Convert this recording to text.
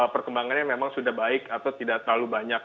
perkembangannya memang sudah